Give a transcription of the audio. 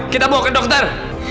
kita bawa ke dokter